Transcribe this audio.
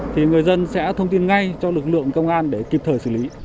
thì người dân sẽ thông tin ngay cho lực lượng công an để kịp thời xử lý